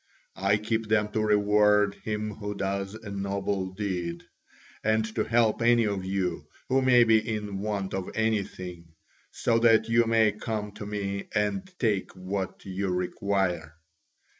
I keep them to reward him who does a noble deed, and to help any of you who may be in want of anything, so that you may come to me and take what ou require."